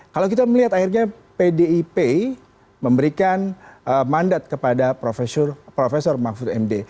kalau kita melihat akhirnya pdip memberikan mandat kepada profesor mahfud md